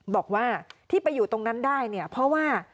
บอกว่าที่ไปอยู่ตรงนั้นได้เนี่ยเพราะว่า